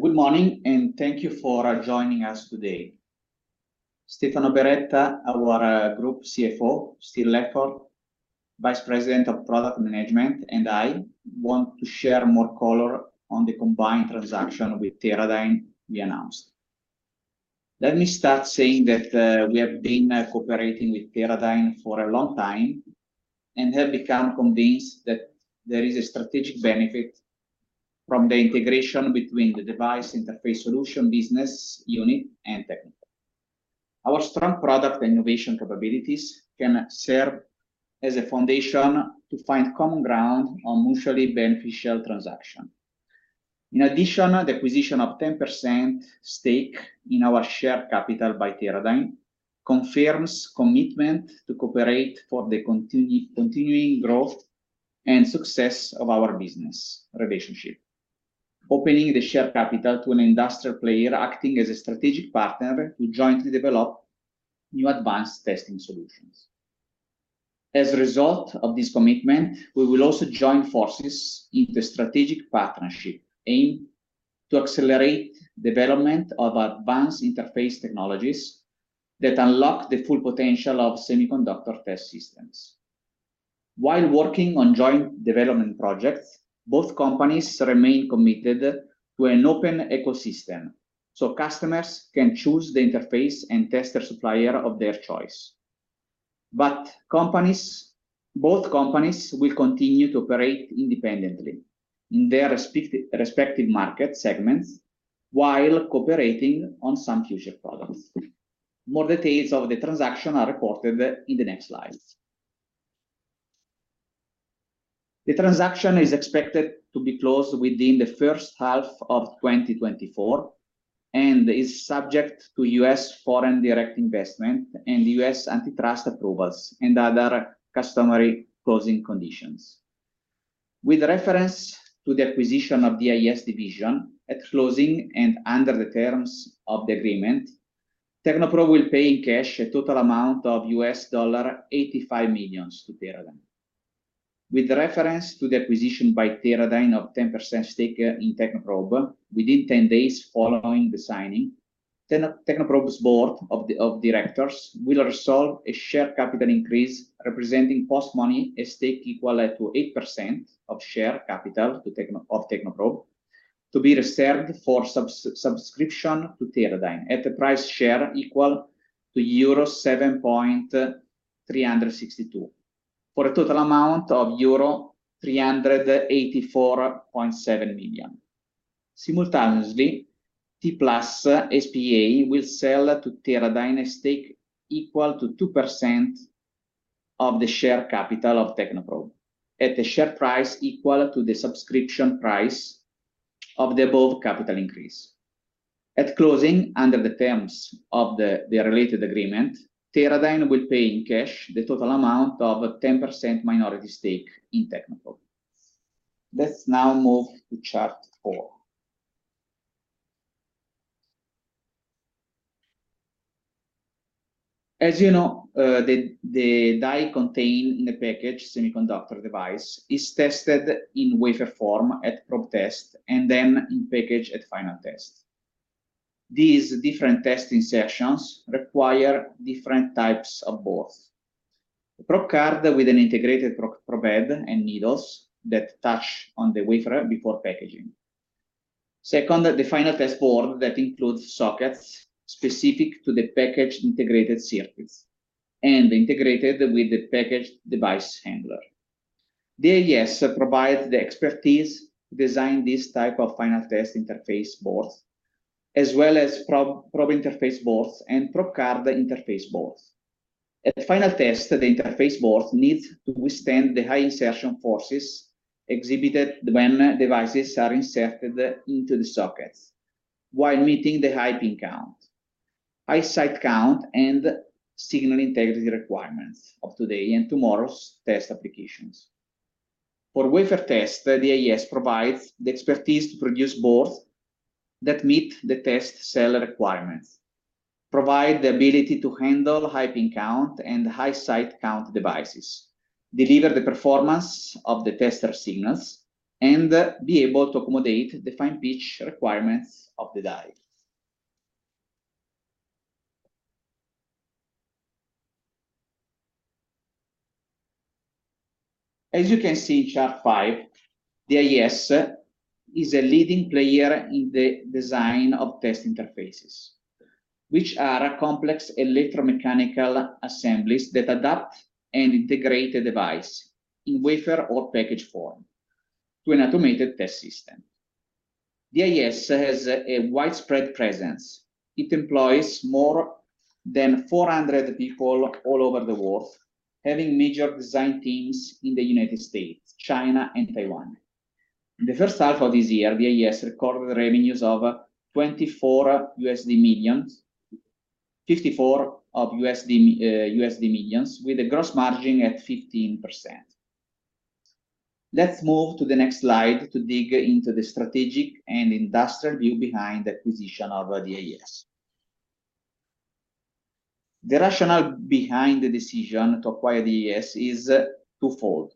Good morning, and thank you for joining us today. Stefano Beretta, our Group CFO, Steve Ledford, Vice President of Product Management, and I want to share more color on the combined transaction with Teradyne we announced. Let me start saying that we have been cooperating with Teradyne for a long time, and have become convinced that there is a strategic benefit from the integration between the Device Interface Solutions business unit and Technoprobe. Our strong product innovation capabilities can serve as a foundation to find common ground on mutually beneficial transaction. In addition, the acquisition of 10% stake in our share capital by Teradyne confirms commitment to cooperate for the continuing growth and success of our business relationship, opening the share capital to an industrial player acting as a strategic partner to jointly develop new advanced testing solutions. As a result of this commitment, we will also join forces in the strategic partnership, aimed to accelerate development of advanced interface technologies that unlock the full potential of semiconductor test systems. While working on joint development projects, both companies remain committed to an open ecosystem, so customers can choose the interface and tester supplier of their choice. But both companies will continue to operate independently in their respective market segments, while cooperating on some future products. More details of the transaction are reported in the next slides. The transaction is expected to be closed within the first half of 2024, and is subject to U.S. foreign direct investment and U.S. antitrust approvals, and other customary closing conditions. With reference to the acquisition of the DIS, at closing and under the terms of the agreement, Technoprobe will pay in cash a total amount of $85 million to Teradyne. With reference to the acquisition by Teradyne of 10% stake in Technoprobe, within 10 days following the signing, Technoprobe's Board of Directors will resolve a share capital increase, representing post-money, a stake equal to 8% of share capital of Technoprobe, to be reserved for subscription to Teradyne at a per share price equal to euro 7.362, for a total amount of euro 384.7 million. Simultaneously, T-Plus S.p.A. will sell to Teradyne a stake equal to 2% of the share capital of Technoprobe, at a share price equal to the subscription price of the above capital increase. At closing, under the terms of the related agreement, Teradyne will pay in cash the total amount of 10% minority stake in Technoprobe. Let's now move to chart four. As you know, the die contained in the package semiconductor device is tested in wafer form at probe test, and then in package at final test. These different testing sections require different types of boards. A probe card with an integrated probe head and needles that touch on the wafer before packaging. Second, the final test board that includes sockets specific to the packaged integrated circuits, and integrated with the packaged device handler. The DIS provides the expertise to design this type of final test interface boards, as well as probe interface boards and probe card interface boards. At final test, the interface boards need to withstand the high insertion forces exhibited when devices are inserted into the sockets, while meeting the high pin count, high site count, and signal integrity requirements of today and tomorrow's test applications. For wafer test, the DIS provides the expertise to produce boards that meet the test cell requirements, provide the ability to handle high pin count and high site count devices, deliver the performance of the tester signals, and be able to accommodate the fine pitch requirements of the dies. As you can see in chart five, the DIS is a leading player in the design of test interfaces, which are complex electromechanical assemblies that adapt and integrate a device in wafer or package form to an automated test system. The DIS has a widespread presence. It employs more than 400 people all over the world, having major design teams in the United States, China, and Taiwan. In the first half of this year, the DIS recorded revenues of $54 million, with a gross margin of 15%. Let's move to the next slide to dig into the strategic and industrial view behind the acquisition of the DIS. The rationale behind the decision to acquire the DIS is two-fold: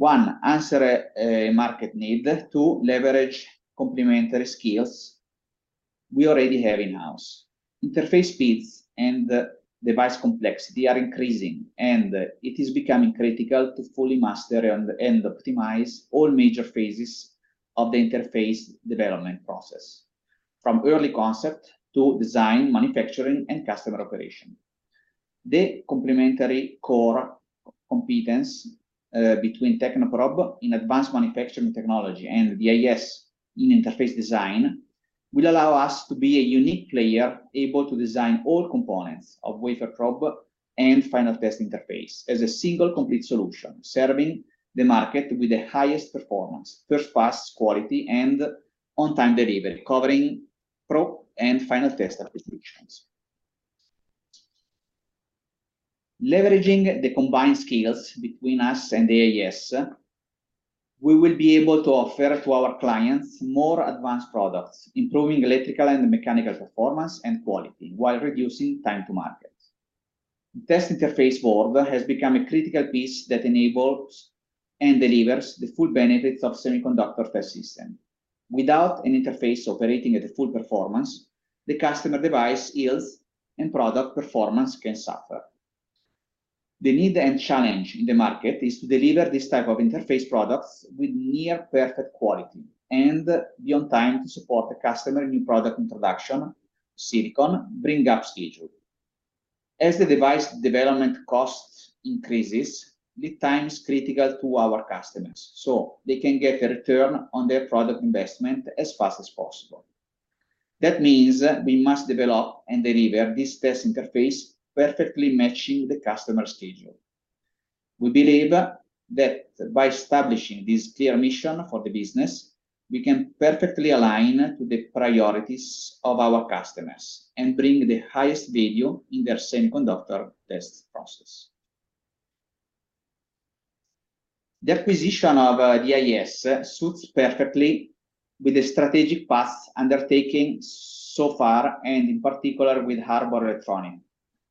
one, answer a market need; two, leverage complementary skills we already have in-house. Interface speeds and the device complexity are increasing, and it is becoming critical to fully master and optimize all major phases of the interface development process, from early concept to design, manufacturing, and customer operation. The complementary core competence between Technoprobe in advanced manufacturing technology and DIS in interface design will allow us to be a unique player, able to design all components of wafer probe and final test interface as a single complete solution, serving the market with the highest performance, first pass quality, and on-time delivery, covering probe and final test applications. Leveraging the combined skills between us and DIS, we will be able to offer to our clients more advanced products, improving electrical and mechanical performance and quality, while reducing time to market. Test interface board has become a critical piece that enables and delivers the full benefits of semiconductor test system. Without an interface operating at full performance, the customer device yields and product performance can suffer. The need and challenge in the market is to deliver this type of interface products with near perfect quality, and be on time to support the customer new product introduction silicon bring-up schedule. As the device development cost increases, lead time is critical to our customers, so they can get a return on their product investment as fast as possible. That means we must develop and deliver this test interface perfectly matching the customer schedule. We believe that by establishing this clear mission for the business, we can perfectly align to the priorities of our customers and bring the highest value in their semiconductor test process. The acquisition of DIS suits perfectly with the strategic paths undertaking so far, and in particular with Harbor Electronics,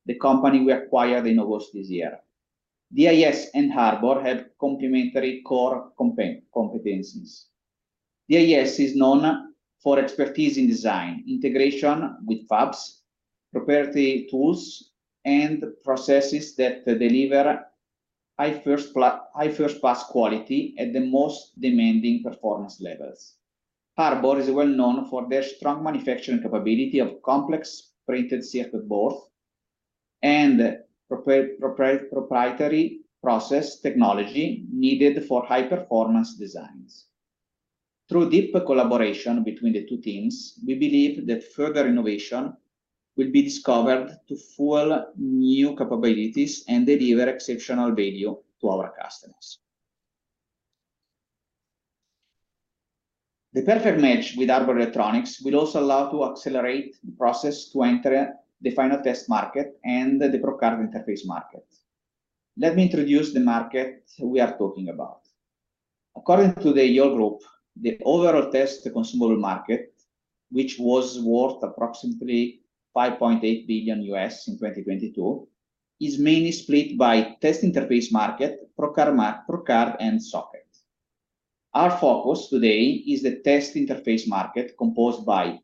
the company we acquired in August this year. DIS and Harbor have complementary core competencies. DIS is known for expertise in design, integration with fabs, proprietary tools, and processes that deliver high first-pass quality at the most demanding performance levels. Harbor is well known for their strong manufacturing capability of complex printed circuit board, and proprietary process technology needed for high-performance designs. Through deeper collaboration between the two teams, we believe that further innovation will be discovered to fuel new capabilities and deliver exceptional value to our customers. The perfect match with Harbor Electronics will also allow to accelerate the process to enter the final test market and the probe card interface market. Let me introduce the market we are talking about. According to the Yole Group, the overall test consumable market, which was worth approximately $5.8 billion in 2022, is mainly split by test interface market, probe card, and socket. Our focus today is the test interface market, composed by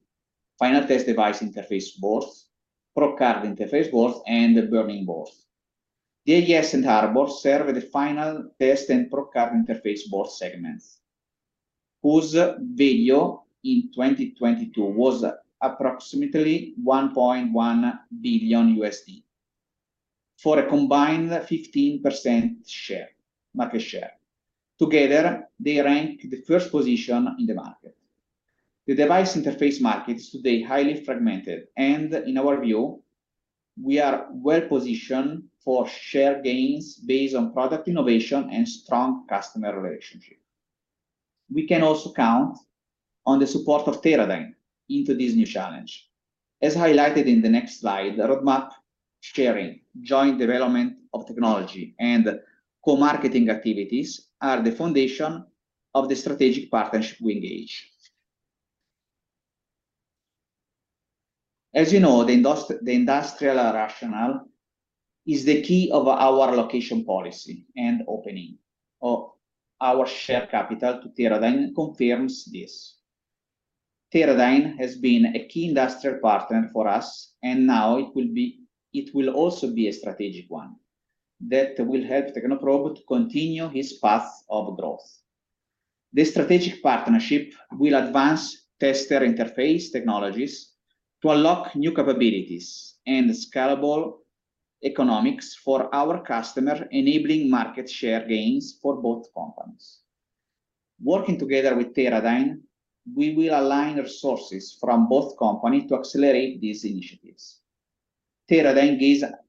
final test device interface boards, probe card interface boards, and the burn-in boards. The DIS and Harbor serve the final test and probe card interface board segments, whose value in 2022 was approximately $1.1 billion, for a combined 15% share, market share. Together, they rank the first position in the market. The device interface market is today highly fragmented, and in our view, we are well positioned for share gains based on product innovation and strong customer relationship. We can also count on the support of Teradyne into this new challenge. As highlighted in the next slide, the roadmap sharing, joint development of technology, and co-marketing activities are the foundation of the strategic partnership we engage. As you know, the industrial rationale is the key of our location policy, and opening of our share capital to Teradyne confirms this. Teradyne has been a key industrial partner for us, and now it will also be a strategic one, that will help Technoprobe to continue its path of growth. This strategic partnership will advance tester interface technologies to unlock new capabilities and scalable economics for our customer, enabling market share gains for both companies. Working together with Teradyne, we will align resources from both companies to accelerate these initiatives. Teradyne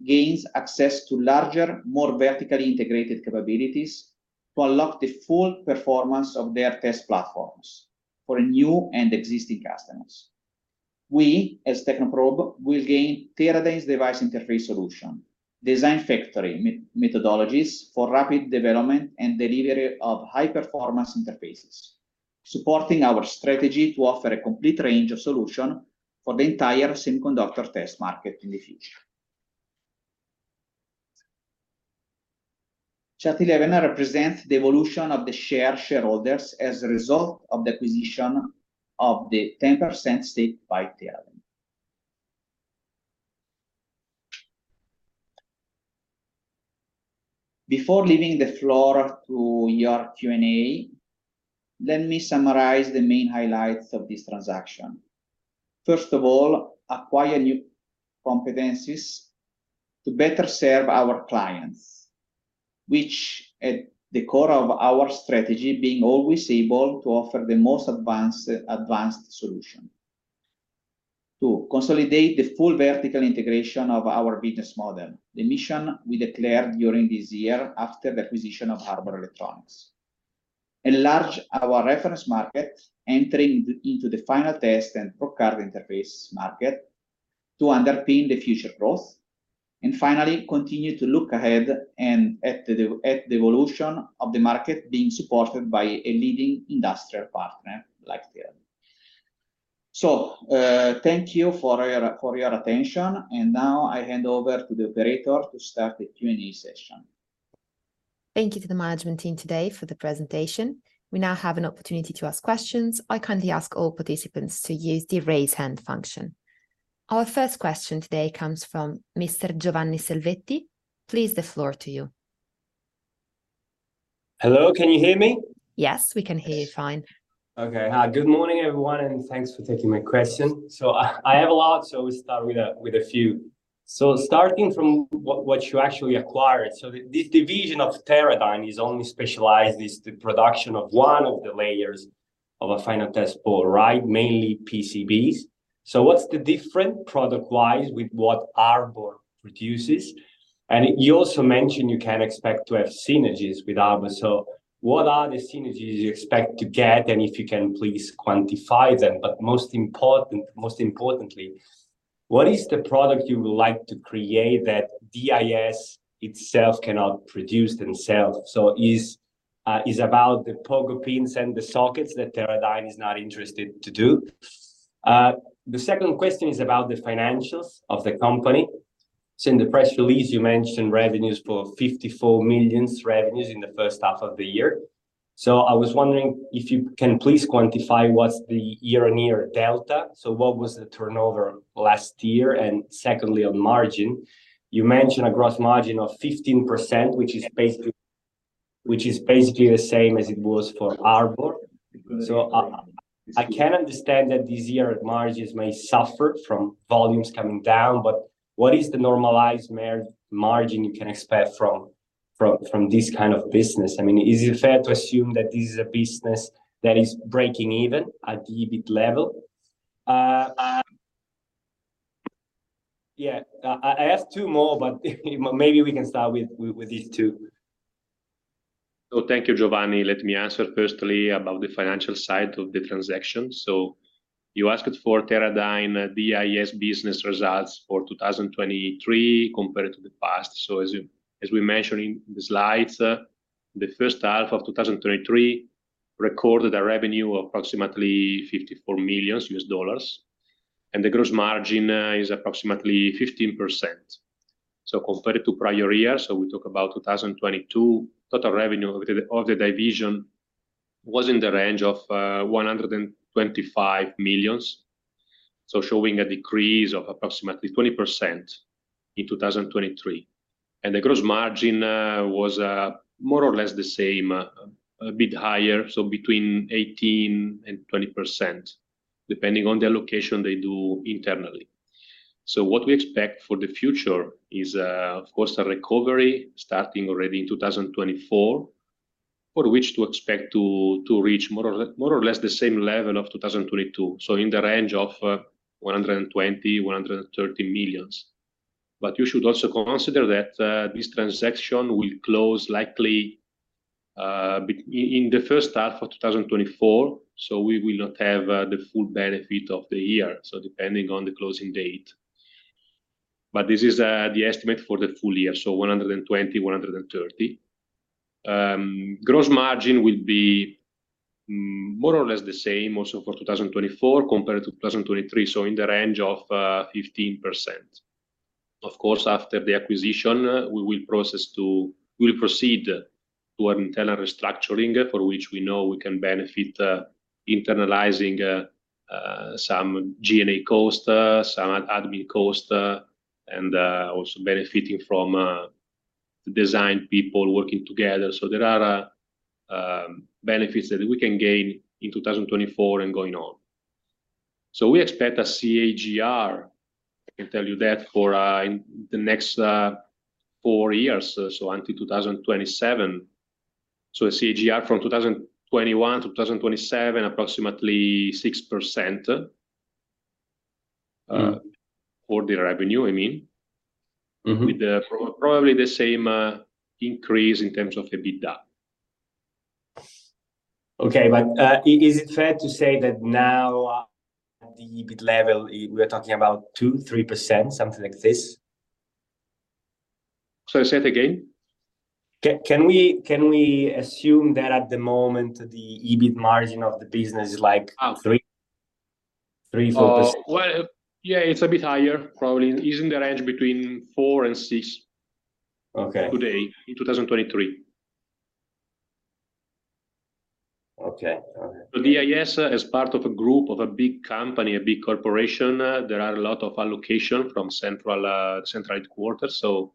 gains access to larger, more vertically integrated capabilities to unlock the full performance of their test platforms for new and existing customers. We, as Technoprobe, will gain Teradyne's Device Interface Solutions, design factory methodologies for rapid development and delivery of high-performance interfaces. Supporting our strategy to offer a complete range of solutions for the entire semiconductor test market in the future. Chart 11 represents the evolution of the shareholders as a result of the acquisition of the 10% stake by Teradyne. Before leaving the floor to your Q&A, let me summarize the main highlights of this transaction. First of all, acquire new competencies to better serve our clients, which is at the core of our strategy, being always able to offer the most advanced, advanced solution. Two, consolidate the full vertical integration of our business model, the mission we declared during this year after the acquisition of Harbor Electronics. Enlarge our reference market, entering into the final test and probe card interface market to underpin the future growth, and finally, continue to look ahead and at the evolution of the market being supported by a leading industrial partner like Teradyne. So, thank you for your attention, and now I hand over to the operator to start the Q&A session. Thank you to the management team today for the presentation. We now have an opportunity to ask questions. I kindly ask all participants to use the raise hand function. Our first question today comes from Mr. Giovanni Selvetti. Please, the floor to you. Hello, can you hear me? Yes, we can hear you fine. Okay. Hi, good morning, everyone, and thanks for taking my question. So I have a lot, so we start with a few. So starting from what you actually acquired, so this division of Teradyne is only specialized in the production of one of the layers of a final test board, right? Mainly PCBs. So what's the different product wise with what Harbor produces? And you also mentioned you can expect to have synergies with Harbor. So what are the synergies you expect to get, and if you can please quantify them. But most importantly, what is the product you would like to create that DIS itself cannot produce? So is about the pogo pins and the sockets that Teradyne is not interested to do. The second question is about the financials of the company. So in the press release, you mentioned revenues of $54 million in the first half of the year. I was wondering if you can please quantify what's the year-on-year delta. So what was the turnover last year? And secondly, on margin, you mentioned a gross margin of 15%, which is basically the same as it was for Harbor. I can understand that this year margins may suffer from volumes coming down, but what is the normalized margin you can expect from this kind of business? I mean, is it fair to assume that this is a business that is breaking even at the EBIT level? Yeah, I asked two more, but maybe we can start with these two. So thank you, Giovanni. Let me answer firstly about the financial side of the transaction. So you asked for Teradyne DIS business results for 2023 compared to the past. So as we mentioned in the slides, the first half of 2023 recorded a revenue of approximately $54 million, and the gross margin is approximately 15%. So compared to prior year, so we talk about 2022, total revenue of the division was in the range of $125 million. So showing a decrease of approximately 20% in 2023. And the gross margin was more or less the same, a bit higher, so between 18% and 20%, depending on the allocation they do internally. So what we expect for the future is, of course, a recovery starting already in 2024, for which to expect to reach more or less, more or less the same level of 2022. So in the range of $120 million-$130 million. But you should also consider that this transaction will close likely in the first half of 2024, so we will not have the full benefit of the year, so depending on the closing date. But this is the estimate for the full year, so $120 million-$130 million. Gross margin will be more or less the same also for 2024 compared to 2023, so in the range of 15%. Of course, after the acquisition, we will proceed to an internal restructuring, for which we know we can benefit, internalizing some G&A cost, some admin cost, and also benefiting from the design people working together. So there are benefits that we can gain in 2024 and going on. So we expect a CAGR, I can tell you that, for in the next four years, so until 2027. So a CAGR from 2021 to 2027, approximately 6%, for the revenue, I mean. Mm-hmm. With the... probably the same, increase in terms of the EBITDA. Okay, but, is it fair to say that now at the EBIT level, we are talking about 2%-3%, something like this? Sorry, say it again? Can we assume that at the moment, the EBIT margin of the business is like 3%-4%? Well, yeah, it's a bit higher, probably. It is in the range between 4%-6%- Okay. today, in 2023. Okay, all right. But DIS, as part of a group, of a big company, a big corporation, there are a lot of allocation from central, central headquarters. So,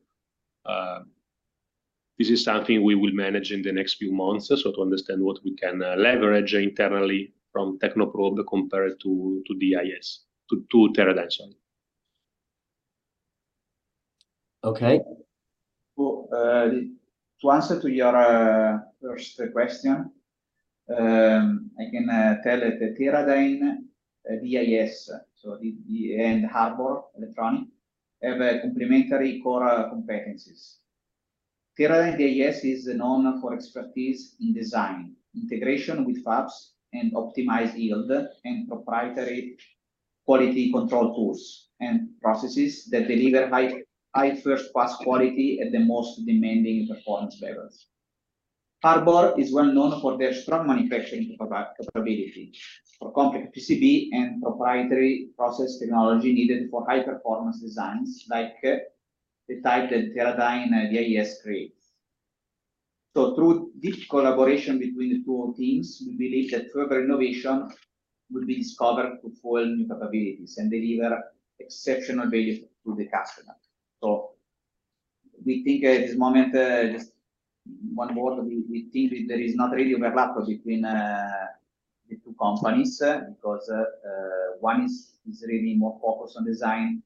this is something we will manage in the next few months, so to understand what we can, leverage internally from Technoprobe compared to, to DIS, to, to Teradyne. Okay. Well, to answer to your first question, I can tell that the Teradyne DIS and Harbor Electronics have a complementary core competencies. Teradyne DIS is known for expertise in design, integration with fabs, and optimized yield, and proprietary quality control tools and processes that deliver high first-pass quality at the most demanding performance levels. Harbor is well known for their strong manufacturing capability, for complex PCB and proprietary process technology needed for high-performance designs, like, the type that Teradyne and DIS creates. So through this collaboration between the two teams, we believe that further innovation will be discovered to form new capabilities and deliver exceptional value to the customer. So we think at this moment, just one more, we think there is not really overlap between the two companies, because one is really more focused on design,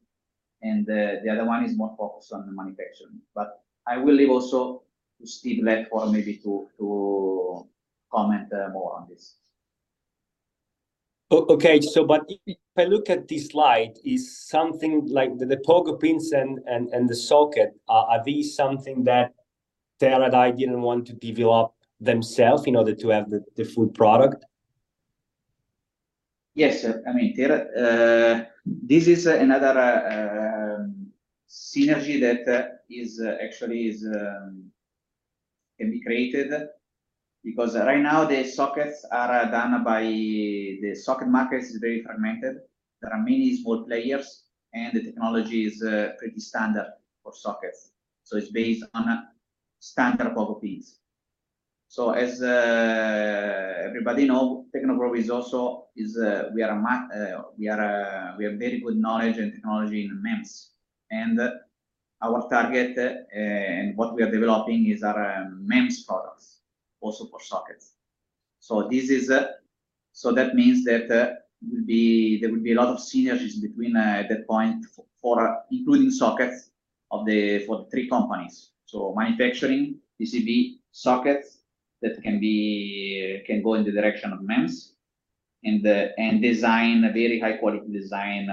and the other one is more focused on the manufacturing. But I will leave also to Steve Ledford or maybe to comment more on this. Okay, so but if I look at this slide, is something like the pogo pins and the socket, are these something that Teradyne didn't want to develop themselves in order to have the full product? Yes, sir. I mean, Teradyne, this is another synergy that is actually can be created. Because right now, the sockets are done by... the socket market is very fragmented. There are many small players, and the technology is pretty standard for sockets, so it's based on a standard pogo pins. So as everybody know, Technoprobe is also, we are a, we have very good knowledge and technology in MEMS. And our target and what we are developing is our MEMS products, also for sockets. So this is, so that means that there will be, there will be a lot of synergies between, at that point for, for including sockets of the, for the three companies. So manufacturing PCB sockets that can be, can go in the direction of MEMS, and design, a very high quality design,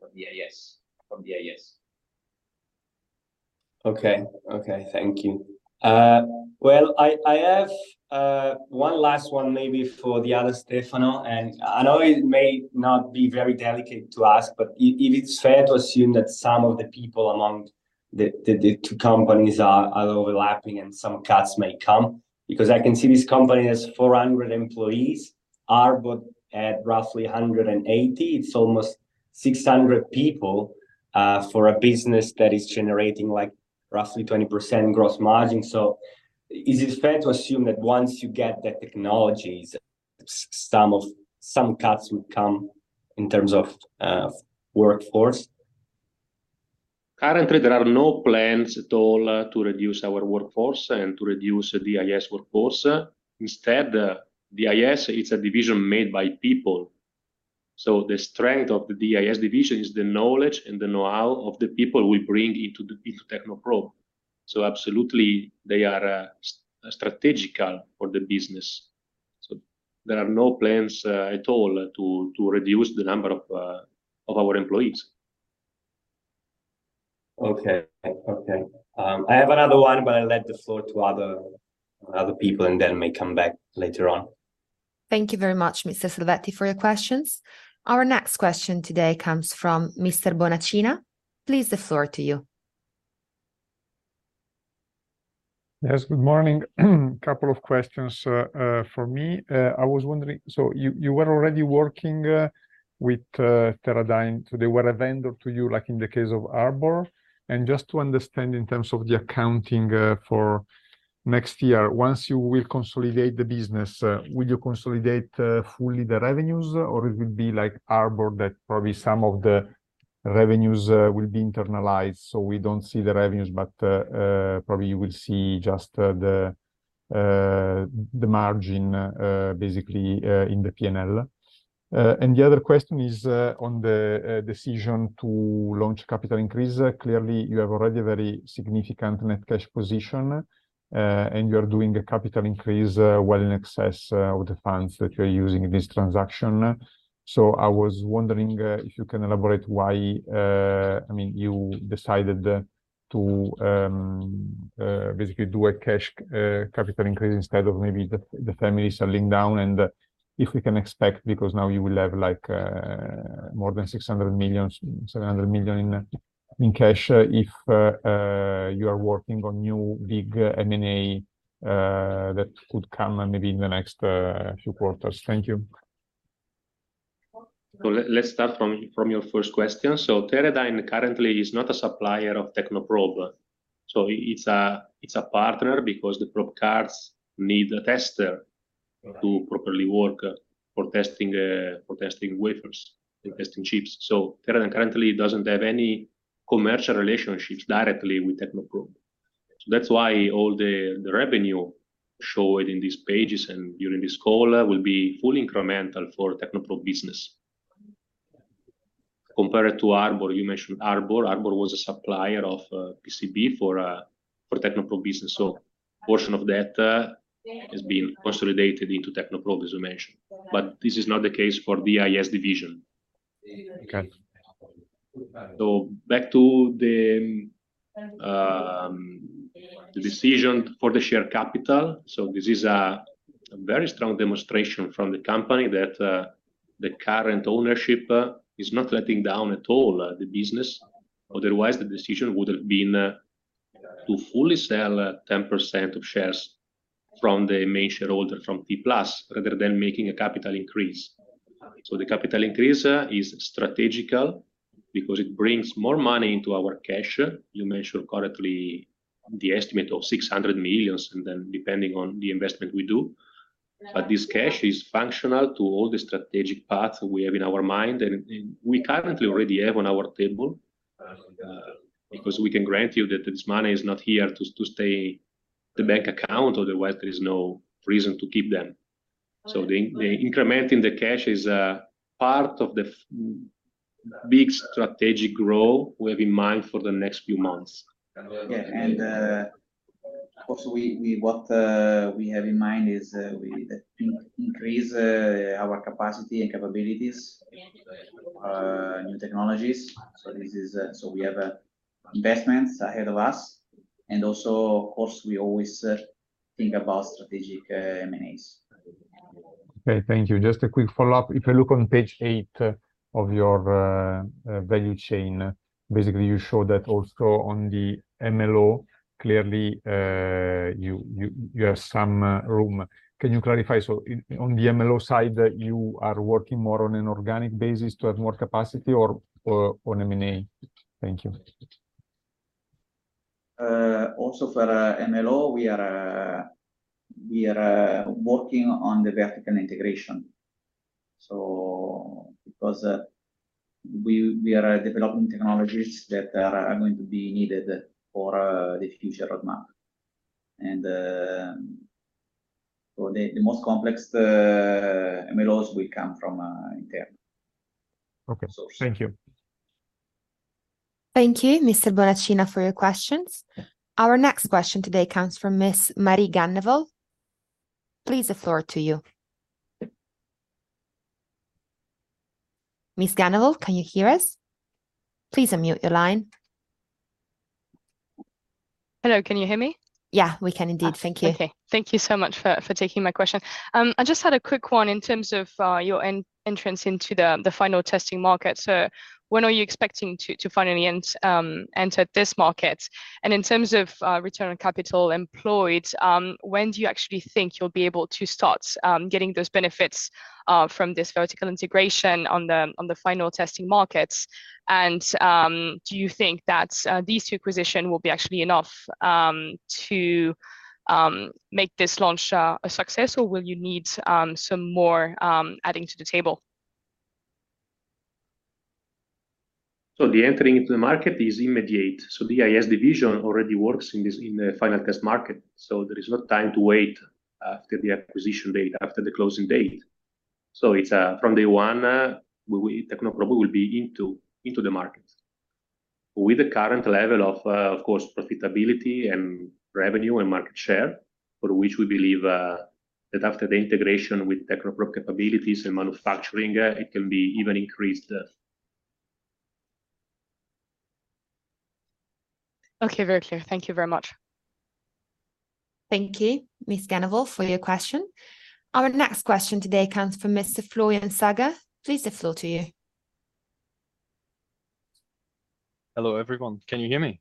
from DIS, from DIS. Okay. Okay, thank you. Well, I have one last one maybe for the other Stefano, and I know it may not be very delicate to ask, but if it's fair to assume that some of the people among the, the, the two companies are overlapping and some cuts may come? Because I can see this company has 400 employees, Harbor at roughly 180. It's almost 600 people for a business that is generating, like, roughly 20% gross margin. So is it fair to assume that once you get the technologies, some of some cuts would come in terms of workforce? Currently, there are no plans at all to reduce our workforce and to reduce the DIS workforce. Instead, DIS, it's a division made by people. So the strength of the DIS division is the knowledge and the know-how of the people we bring into the, into Technoprobe. So absolutely, they are strategical for the business. So there are no plans at all to reduce the number of our employees. Okay. Okay, I have another one, but I let the floor to other, other people, and then I may come back later on. Thank you very much, Mr. Selvetti, for your questions. Our next question today comes from Mr. Bonacina. Please, the floor to you. Yes, good morning. Couple of questions for me. I was wondering, so you, you were already working with Teradyne, so they were a vendor to you, like in the case of Harbor. And just to understand in terms of the accounting for next year, once you will consolidate the business, will you consolidate fully the revenues, or it will be like Harbor, that probably some of the revenues will be internalized, so we don't see the revenues, but probably you will see just the margin basically in the P&L? And the other question is on the decision to launch capital increase. Clearly, you have already a very significant net cash position, and you're doing a capital increase, well in excess, of the funds that you're using in this transaction. So I was wondering, if you can elaborate why, I mean, you decided, to basically do a cash capital increase instead of maybe the, the family selling down and if we can expect, because now you will have, like, more than 600 million, 700 million in cash, if you are working on new big M&A that could come, maybe in the next few quarters. Thank you. So let's start from your first question. So Teradyne currently is not a supplier of Technoprobe. So it's a partner because the probe cards need a tester- Okay -to properly work for testing wafers and testing chips. So Teradyne currently doesn't have any commercial relationships directly with Technoprobe. So that's why all the, the revenue showed in these pages and during this call will be full incremental for Technoprobe business. Compared to Harbor, you mentioned Harbor. Harbor was a supplier of PCB for Technoprobe business, so a portion of that has been consolidated into Technoprobe, as you mentioned, but this is not the case for DIS division. Okay. So back to the decision for the share capital. So this is a very strong demonstration from the company that the current ownership is not letting down at all the business, otherwise the decision would have been to fully sell 10% of shares from the main shareholder, from T-Plus, rather than making a capital increase. So the capital increase is strategical because it brings more money into our cash. You mentioned correctly the estimate of 600 million, and then depending on the investment we do. But this cash is functional to all the strategic paths we have in our mind, and we currently already have on our table. Because we can grant you that this money is not here to stay the bank account, otherwise there is no reason to keep them. So the increment in the cash is part of the big strategic role we have in mind for the next few months. Yeah, and also, what we have in mind is we increase our capacity and capabilities, new technologies. So this is so we have investments ahead of us, and also, of course, we always think about strategic M&As. Okay, thank you. Just a quick follow-up. If you look on page eight of your value chain, basically you show that also on the MLO, clearly, you have some room. Can you clarify, so on the MLO side, that you are working more on an organic basis to have more capacity or on M&A? Thank you. Also for MLO, we are working on the vertical integration. So because we are developing technologies that are going to be needed for the future roadmap, and for the most complex MLOs will come from internal. Okay. So- Thank you. Thank you, Mr. Bonacina, for your questions. Our next question today comes from Ms. Marie Ganneval. Please the floor to you. Ms. Ganneval, can you hear us? Please unmute your line. Hello, can you hear me? Yeah, we can indeed. Ah. Thank you. Okay. Thank you so much for taking my question. I just had a quick one in terms of your entrance into the final testing market. So when are you expecting to finally enter this market? And in terms of return on capital employed, when do you actually think you'll be getting those benefits from this vertical integration on the final testing markets? And do you think that these two acquisition will be actually enough to make this launch a success, or will you need some more adding to the table? So the entering into the market is immediate. So the DIS division already works in this, in the final test market, so there is no time to wait after the acquisition date, after the closing date. So it's, from day one, we, Technoprobe will be into the market. With the current level of, of course, profitability and revenue and market share, for which we believe, that after the integration with Technoprobe capabilities and manufacturing, it can be even increased. Okay. Very clear. Thank you very much. Thank you, Ms. Ganneval, for your question. Our next question today comes from Mr. Florian Sager. Please, the floor to you. Hello, everyone. Can you hear me?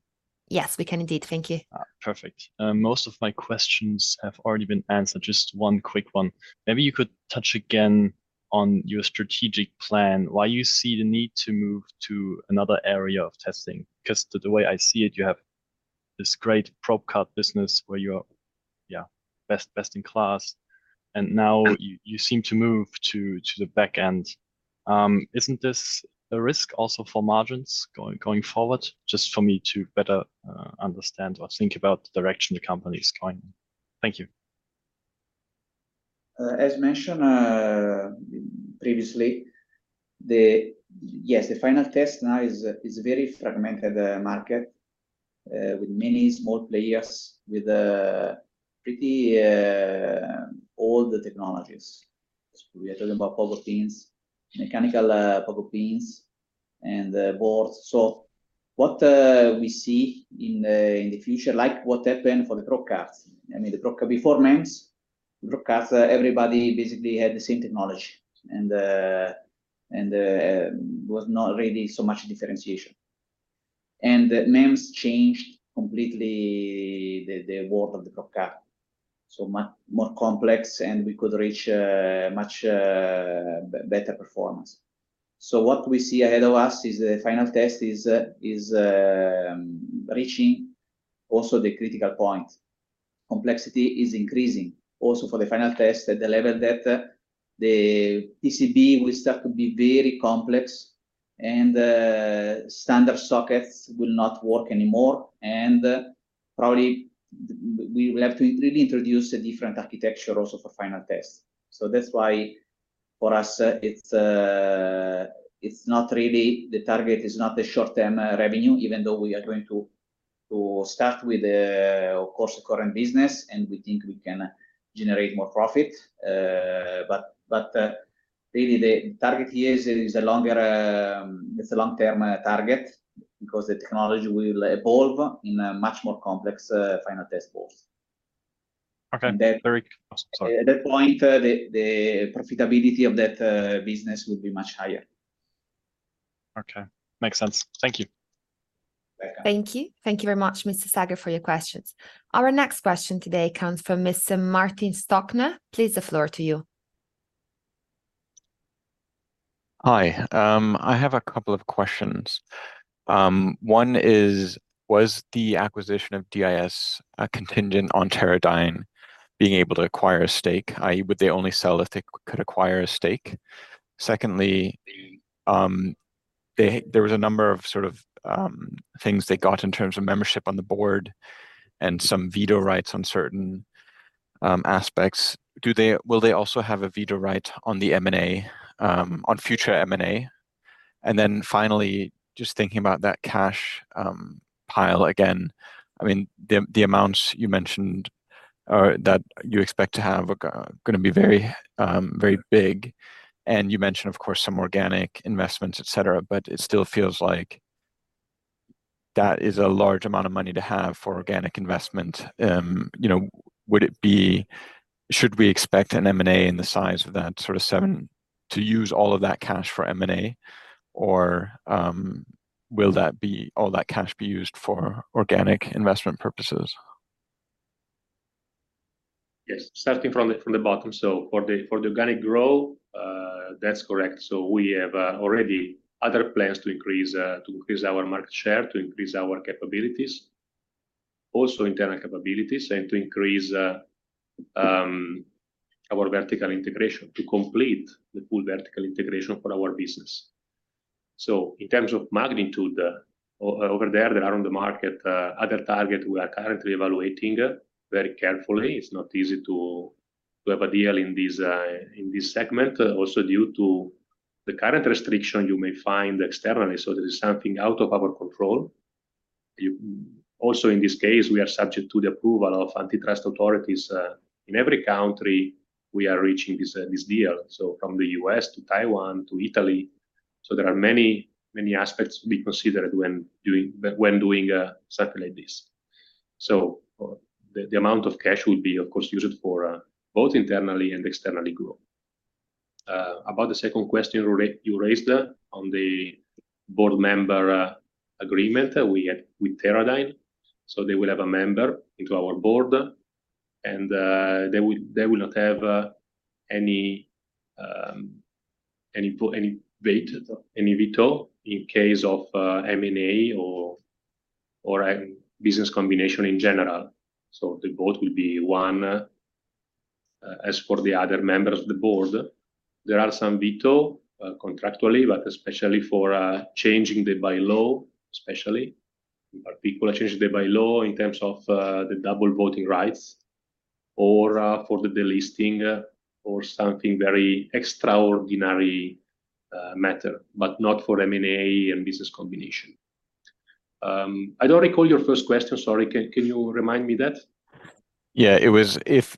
Yes, we can indeed. Thank you. Ah, perfect. Most of my questions have already been answered. Just one quick one. Maybe you could touch again on your strategic plan, why you see the need to move to another area of testing? Because the way I see it, you have this great probe card business where you are, yeah, best, best-in-class, and now you, you seem to move to, to the back end. Isn't this a risk also for margins going, going forward? Just for me to better understand or think about the direction the company is going in. Thank you. As mentioned previously, yes, the final test now is a very fragmented market with many small players with pretty old technologies. We are talking about pogo pins, mechanical pogo pins, and boards. So what we see in the future, like what happened for the probe cards. I mean, the probe, before MEMS, probe cards, everybody basically had the same technology, and was not really so much differentiation. And the MEMS changed completely the world of the probe card, so much more complex, and we could reach much better performance. So what we see ahead of us is the final test is reaching also the critical point. Complexity is increasing also for the final test at the level that the PCB will start to be very complex, and standard sockets will not work anymore. And probably we will have to really introduce a different architecture also for final test. So that's why for us, it's not really the target is not the short-term revenue, even though we are going to start with, of course, the current business, and we think we can generate more profit. But really the target here is, it's a long-term target, because the technology will evolve in a much more complex final test course. Okay, very- Sorry. At that point, the profitability of that business will be much higher. Okay. Makes sense. Thank you. Thank you. Thank you very much, Mr. Sager, for your questions. Our next question today comes from Mr. Martin Stockner. Please, the floor to you. Hi. I have a couple of questions. One is, was the acquisition of DIS contingent on Teradyne being able to acquire a stake? i.e., would they only sell if they could acquire a stake? Secondly, they, there was a number of, sort of, things they got in terms of membership on the board and some veto rights on certain aspects. Do they? Will they also have a veto right on the M&A on future M&A? And then finally, just thinking about that cash pile again, I mean, the amounts you mentioned that you expect to have are gonna be very very big. And you mentioned, of course, some organic investments, et cetera, but it still feels like that is a large amount of money to have for organic investment. You know, would it be- Should we expect an M&A in the size of that, sort of, 7, to use all of that cash for M&A? Or, will that be, all that cash be used for organic investment purposes? Yes. Starting from the bottom. So for the organic growth, that's correct. So we have, already other plans to increase, to increase our market share, to increase our capabilities, also internal capabilities, and to increase, our vertical integration, to complete the full vertical integration for our business. So in terms of magnitude, over there, there are on the market, other target we are currently evaluating, very carefully. It's not easy to have a deal in this segment. Also, due to the current restriction, you may find externally, so that is something out of our control. You. Also, in this case, we are subject to the approval of antitrust authorities, in every country we are reaching this deal, so from the U.S. to Taiwan to Italy. So there are many, many aspects to be considered when doing when doing something like this. So the amount of cash will be, of course, used for both internally and externally growth. About the second question you raised on the board member agreement we had with Teradyne. So they will have a member into our board, and they will not have any weight, any veto in case of M&A or a business combination in general. So the board will be one. As for the other members of the board, there are some veto contractually, but especially for changing the bylaw, especially. But people are changing the bylaw in terms of the double voting rights or for the delisting or something very extraordinary matter, but not for M&A and business combination. I don't recall your first question. Sorry. Can you remind me that? Yeah. It was if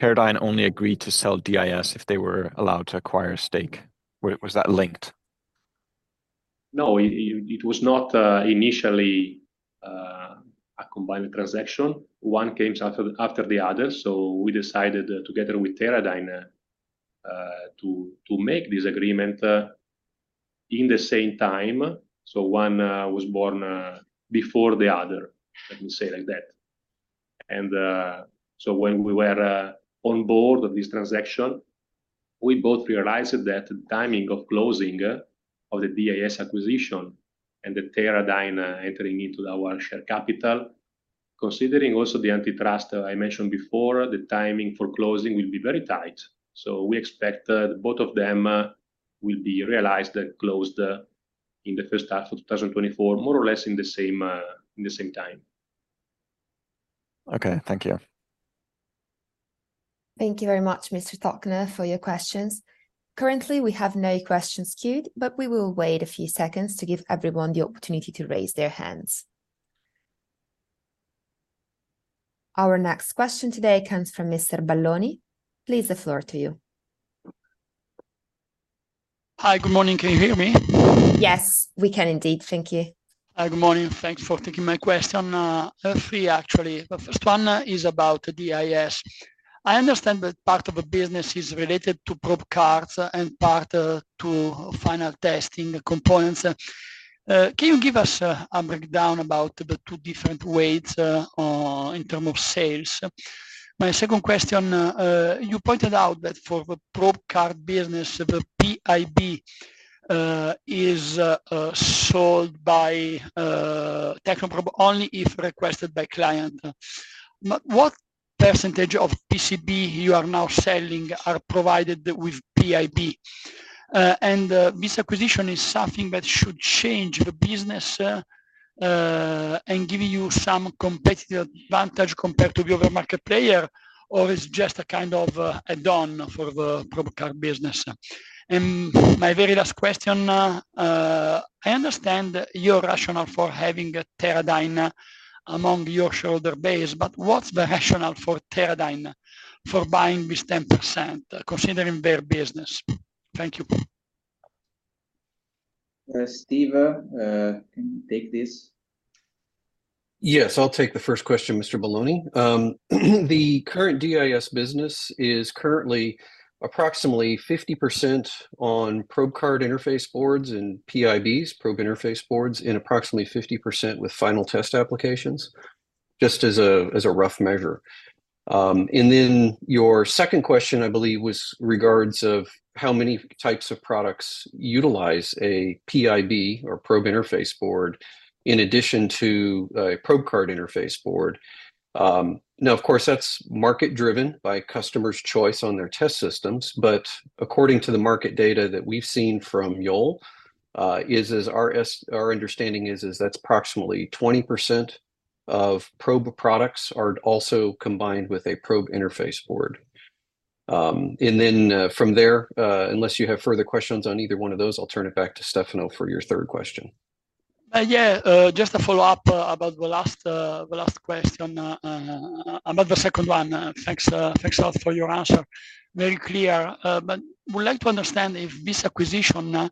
Teradyne only agreed to sell DIS if they were allowed to acquire a stake. Was that linked? No, it was not initially a combined transaction. One came after the other, so we decided together with Teradyne to make this agreement in the same time. So one was born before the other, let me say it like that. So when we were on board of this transaction, we both realized that the timing of closing of the DIS acquisition and the Teradyne entering into our share capital, considering also the antitrust I mentioned before, the timing for closing will be very tight. So we expect both of them will be realized and closed in the first half of 2024, more or less in the same time. Okay, thank you. Thank you very much, Mr. Stockner, for your questions. Currently, we have no questions queued, but we will wait a few seconds to give everyone the opportunity to raise their hands. Our next question today comes from Mr. Belloni. Please, the floor to you. Hi. Good morning. Can you hear me? Yes, we can indeed. Thank you. Hi, good morning. Thanks for taking my question. Three, actually. The first one is about the DIS. I understand that part of the business is related to probe cards and part to final testing components. Can you give us a breakdown about the two different weights in terms of sales? My second question, you pointed out that for the probe card business, the PIB is sold by Technoprobe only if requested by client. But what percentage of PCB you are now selling are provided with PIB? And this acquisition is something that should change the business and give you some competitive advantage compared to the other market player, or it's just a kind of add-on for the probe card business? My very last question, I understand your rationale for having Teradyne among your shareholder base, but what's the rationale for Teradyne for buying this 10%, considering their business? Thank you. Steve, can you take this? Yes, I'll take the first question, Mr. Belloni. The current DIS business is currently approximately 50% on probe card interface boards and PIBs, probe interface boards, and approximately 50% with final test applications, just as a rough measure. And then your second question, I believe, was regards of how many types of products utilize a PIB, or probe interface board, in addition to a probe card interface board. Now, of course, that's market-driven by customers' choice on their test systems, but according to the market data that we've seen from Yole, as our understanding is, that's approximately 20% of probe products are also combined with a probe interface board. And then, from there, unless you have further questions on either one of those, I'll turn it back to Stefano for your third question. Yeah, just a follow-up about the last, the last question, about the second one. Thanks a lot for your answer. Very clear, but would like to understand if this acquisition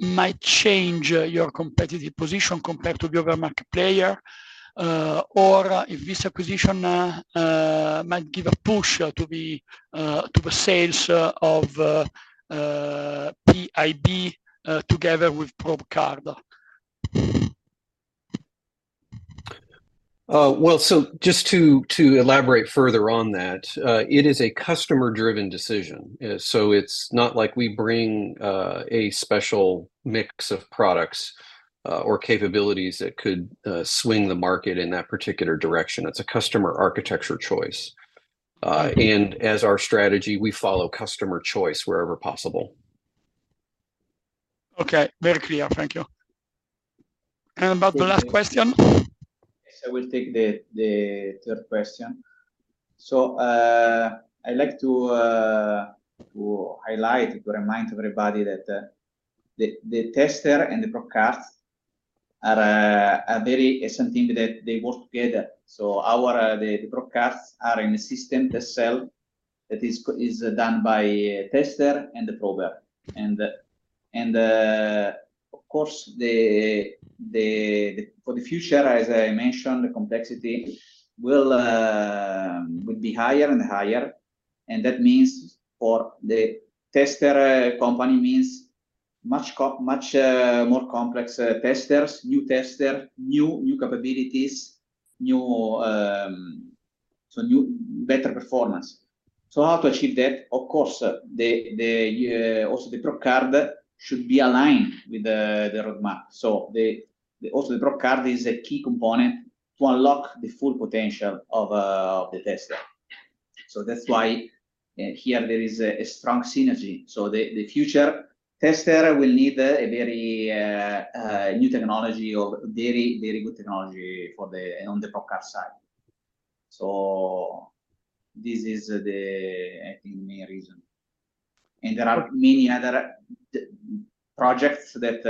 might change your competitive position compared to the other market player, or if this acquisition might give a push to the sales of PIB together with probe card? Well, so just to elaborate further on that, it is a customer-driven decision. So it's not like we bring a special mix of products or capabilities that could swing the market in that particular direction. It's a customer architecture choice. And as our strategy, we follow customer choice wherever possible. Okay, very clear. Thank you. About the last question? Yes, I will take the third question. So, I'd like to highlight, to remind everybody that the tester and the probe cards are very, is something that they work together. So our the probe cards are in the system test cell that is done by tester and the prober. And, and, of course, the for the future, as I mentioned, the complexity will will be higher and higher, and that means for the tester company means much much more complex testers, new tester, new new capabilities, new so new better performance. So how to achieve that? Of course, the also the probe card should be aligned with the roadmap. So also the probe card is a key component to unlock the full potential of the tester. So that's why here there is a strong synergy. So the future tester will need a very new technology or very, very good technology for the on the probe card side. So this is the, I think, main reason. And there are many other projects that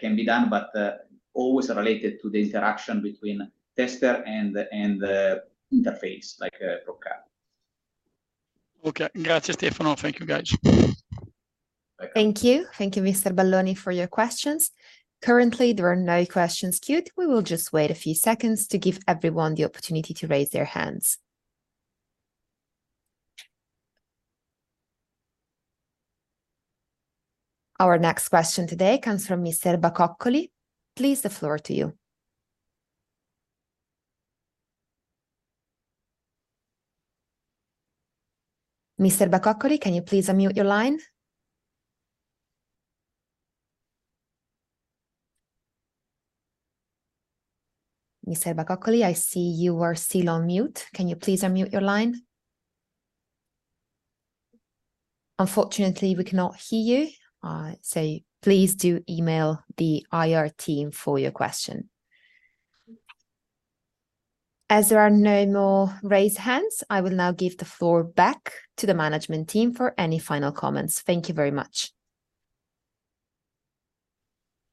can be done, but always related to the interaction between tester and the interface, like a probe card. Okay. Gotcha, Stefano. Thank you, guys. Thank you. Thank you, Mr. Belloni, for your questions. Currently, there are no questions queued. We will just wait a few seconds to give everyone the opportunity to raise their hands. Our next question today comes from Mr. Bacoccoli. Please, the floor to you. Mr. Bacoccoli, can you please unmute your line? Mr. Bacoccoli, I see you are still on mute. Can you please unmute your line? Unfortunately, we cannot hear you. So please do email the IR team for your question. As there are no more raised hands, I will now give the floor back to the management team for any final comments. Thank you very much.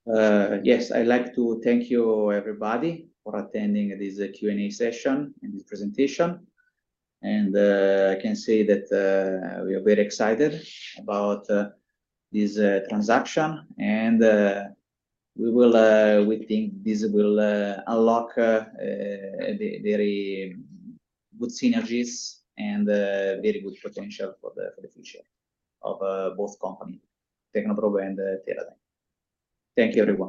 Yes, I'd like to thank you, everybody, for attending this Q&A session and this presentation. And, I can say that we are very excited about this transaction, and we will, we think this will unlock very good synergies and very good potential for the future of both company, Technoprobe and Teradyne. Thank you, everyone.